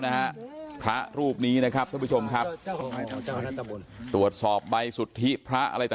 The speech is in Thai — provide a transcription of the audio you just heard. นะฮะพระรูปนี้นะครับท่านผู้ชมครับตรวจสอบใบสุทธิพระอะไรต่าง